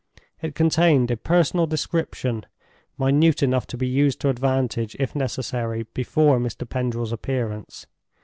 It contained a personal description minute enough to be used to advantage, if necessary, before Mr. Pendril's appearance.